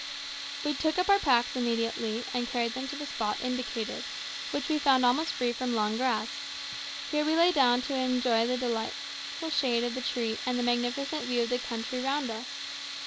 We took up our packs immediately, and carried them to the spot indicated, which we found almost free from long grass. Here we lay down to enjoy the delightful shade of the tree, and the magnificent view of the country around us.